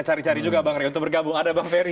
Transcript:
cari cari juga bang rey untuk bergabung ada bang ferry